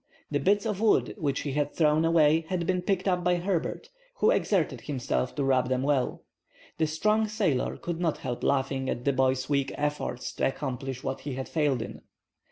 The bits of wood which he had thrown away had been picked up by Herbert, who exerted himself to rub them well. The strong sailor could not help laughing at the boy's weak efforts to accomplish what he had failed in.